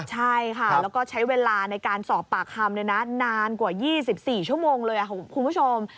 ใช่ค่ะแล้วก็ใช้เวลาในการสอบปากคำนานกว่า๒๔ชั่วโมงเลยคุณผู้ชม